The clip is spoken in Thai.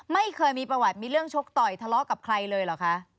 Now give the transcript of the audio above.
ไม่เคยมีประวัติมีเรื่องชกต่อยทะเลาะกับใครเลยเหรอคะ